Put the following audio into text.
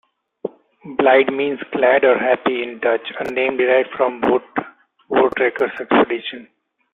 Blyde means "glad" or "happy" in Dutch, a name derived from a voortrekkers' expedition.